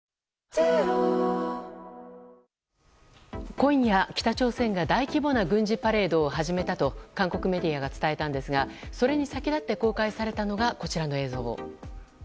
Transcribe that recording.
今夜、北朝鮮が大規模な軍事パレードを始めたと韓国メディアが伝えたんですがそれに先立って公開されたのがこちらの映像。